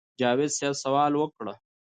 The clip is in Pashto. جاوېد صېب سوال وکړۀ